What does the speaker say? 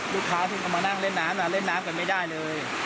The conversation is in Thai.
ลูกค้าที่เขามานั่งเล่นน้ำเล่นน้ำกันไม่ได้เลย